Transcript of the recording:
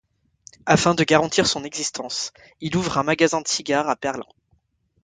Afin de garantir son existence, il ouvre un magasin de cigares à Berlin.